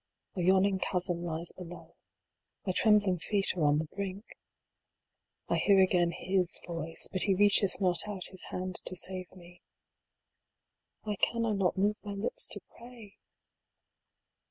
A yawning chasm lies below. My trembling feet are on the brink. I hear again his voice ; but he reacheth not out his hand to save me. Why can I not move my lips to pray